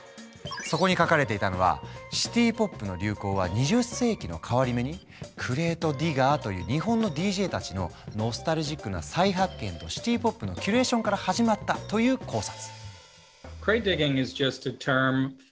そこに書かれていたのはシティ・ポップの流行は２０世紀の変わり目にクレートディガーという日本のＤＪたちのノスタルジックな再発見とシティ・ポップのキュレーションから始まったという考察。